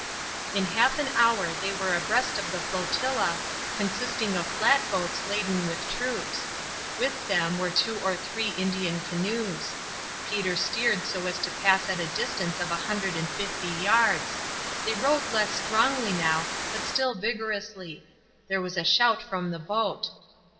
In half an hour they were abreast of the flotilla, consisting of flatboats laden with troops. With them were two or three Indian canoes. Peter steered so as to pass at a distance of a hundred and fifty yards. They rowed less strongly now, but still vigorously. There was a shout from the boat.